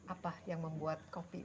apa yang membuat kopi